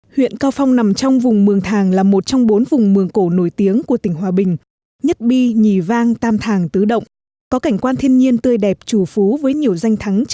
huyện cao phong nằm trong vùng mường thàng là một trong bốn vùng mường cổ nổi tiếng của tỉnh hòa bình